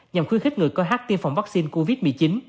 nhằm khuyến khích người có hát tiêm phòng vaccine covid một mươi chín